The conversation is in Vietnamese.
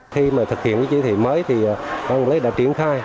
khi mà thực hiện cái chế thị mới thì hoàng lê đã triển khai